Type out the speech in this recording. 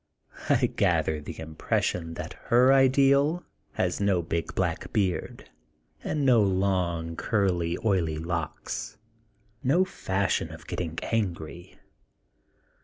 I gather the impression that her ideal has no big black beard and no long curly oily locks, no fashion of getting angry.